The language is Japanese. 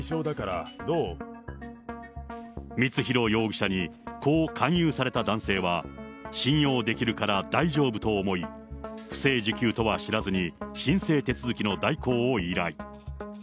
光弘容疑者に、こう勧誘された男性は、信用できるから大丈夫と思い、不正受給とは知らずに、申請手続きの代行を依頼。